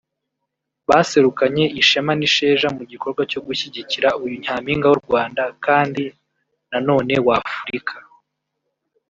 baserukanye Ishema n’isheja mu gikorwa cyo gushyigikira uyu Nyampinga w’u Rwanda kandi na none w’Afurika